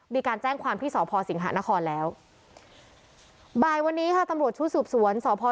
มีการแจ้งความที่สพสิงหานครแล้วบ่ายวันนี้ค่ะตำรวจชุดสืบสวนสพ